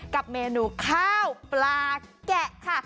กับเมนูข้าวปลาแกะค่ะ